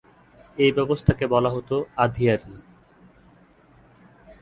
এ ব্যবস্থাকে বলা হতো 'আধিয়ারী'।